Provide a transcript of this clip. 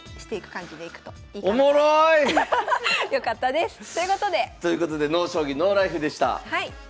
よかったです。ということで。ということで「ＮＯ将棋ＮＯＬＩＦＥ」でした。